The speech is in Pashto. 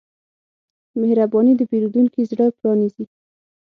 مهرباني د پیرودونکي زړه پرانیزي.